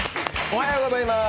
おはようございます。